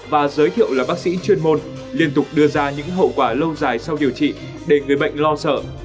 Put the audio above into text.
và giới thiệu là bác sĩ chuyên môn liên tục đưa ra những hậu quả lâu dài sau điều trị để người bệnh lo sợ